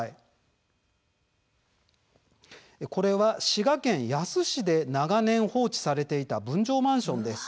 これは、滋賀県野洲市で長年放置されていた分譲マンションです。